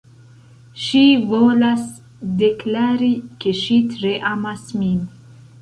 Ŝi volas deklari, ke ŝi tre amas min